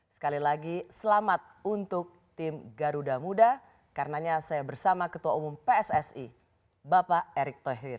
sekali lagi selamat untuk tim garuda muda karenanya saya bersama ketua umum pssi bapak erick thohir